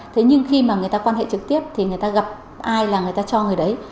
thế nhưng khi mà người ta quan hệ trực tiếp thì người ta gặp ai là người ta cho người đấy